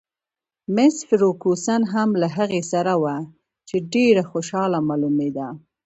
مس فرګوسن هم له هغې سره وه، چې ډېره خوشحاله معلومېده.